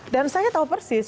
dan saya tahu persis